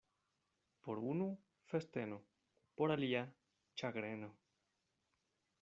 Por unu — festeno, por alia — ĉagreno.